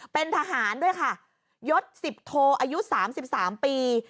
เป็นทหารด้วยค่ะยศ๑๐โทอายุ๓๓ปี